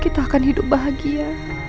kita akan hidup bahagia